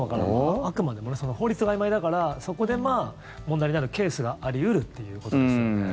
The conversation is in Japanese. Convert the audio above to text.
あくまでも法律があいまいだからそこで問題になるケースがあり得るっていうことですよね。